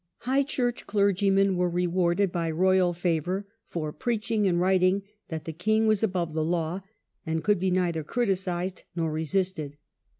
High Church clergymen were rewarded by royal favour for preaching and writing that the king was above the law, and could be neither criticised nor resisted.